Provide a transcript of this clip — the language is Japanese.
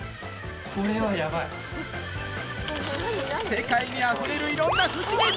世界にあふれる色んな不思議。